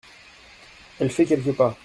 Elle fait quelques pas.